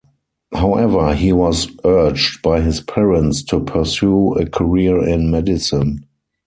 However, he was urged by his parents to pursue a career in medicine.